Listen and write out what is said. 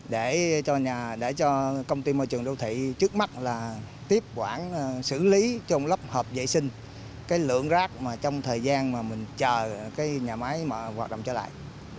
để cho công ty môi trường đô thị trước mắt là tiếp quản xử lý trong lấp hợp vệ sinh cái lượng rác mà trong thời gian mà mình chờ cái nhà máy hoạt động trở lại